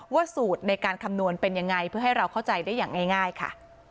สูตรในการคำนวณเป็นยังไงเพื่อให้เราเข้าใจได้อย่างง่ายค่ะ